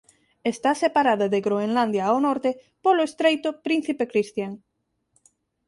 Esta separada de Groenlandia ao norte polo estreito Príncipe Christian.